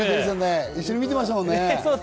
一緒に見てましたもんね。